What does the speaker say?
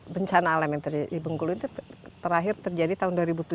bencana alam yang terjadi di bengkulu itu terakhir terjadi tahun dua ribu tujuh